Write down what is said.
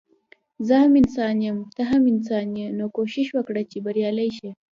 زه هم انسان يم ته هم انسان يي نو کوښښ وکړه چي بريالی شي